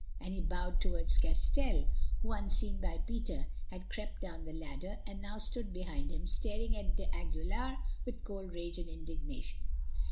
And he bowed towards Castell who, unseen by Peter, had crept down the ladder, and now stood behind him staring at d'Aguilar with cold rage and indignation.